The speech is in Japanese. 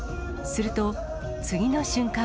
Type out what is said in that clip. すると、次の瞬間。